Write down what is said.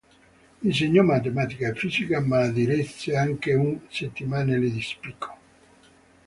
Insegnò matematica e fisica, ma diresse anche un settimanale di spicco.